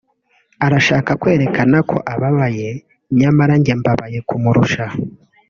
arashaka kwerekana ko ababaye nyamara njye mbabaye kumurusha